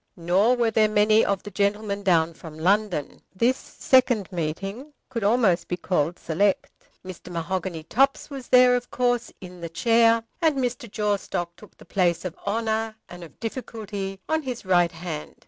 Nor were there many of the gentlemen down from London. This second meeting might almost have been called select. Mr. Mahogany Topps was there of course, in the chair, and Mr. Jawstock took the place of honour and of difficulty on his right hand.